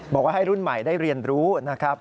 บอกว่าให้รุ่นใหม่ได้เรียนรู้นะครับ